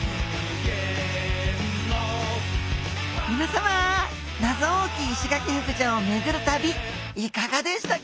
みなさま謎多きイシガキフグちゃんをめぐる旅いかがでしたか？